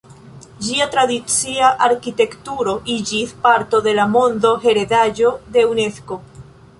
Ĝia tradicia arkitekturo iĝis parto de la Monda heredaĵo de Unesko.